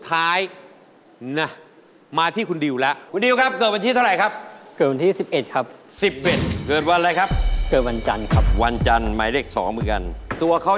เพราะว่าดูจากละสนับความดีดาของเพื่อนแล้ว